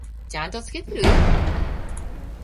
ちゃんと付けてる？